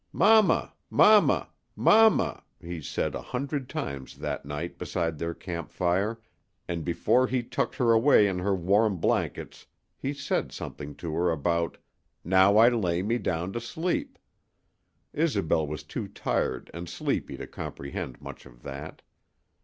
"Mama, mama, mama," he said a hundred times that night beside their campfire, and before he tucked her away in her warm blankets he said something to her about "Now I lay me down to sleep." Isobel was too tired and sleepy to comprehend much of that.